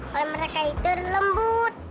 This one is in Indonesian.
kalau mereka itu lembut